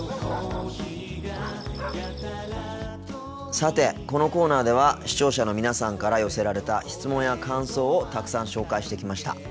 さてこのコーナーでは視聴者の皆さんから寄せられた質問や感想をたくさん紹介してきました。